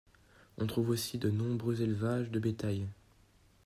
On trouve aussi de nombreux élevages de bétail.